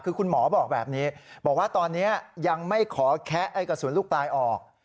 คือคุณหมอบอกแบบนี้บอกว่าตอนนี้ยังไม่ขอแคะไอ้กระสุนลูกปลายออก